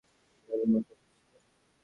ভেলমা, কোথায় ছিলে?